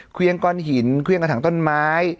เครื่องก้อนหินเครื่องกระถังต้นไม้